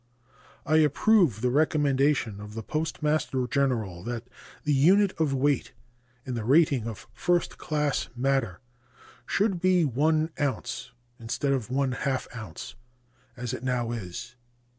I approve the recommendation of the Postmaster General that the unit of weight in the rating of first class matter should be 1 ounce instead of one half ounce, as it now is.